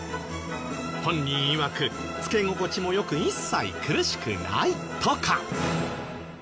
本人いわくつけ心地も良く一切苦しくないとか。